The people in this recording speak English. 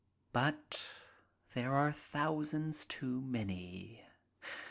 But there are thousands too many.